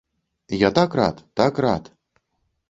Я так рад, так рад.